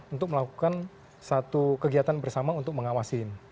untuk melakukan satu kegiatan bersama untuk mengawasin